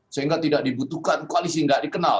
sehingga tidak dibutuhkan koalisi tidak dikenal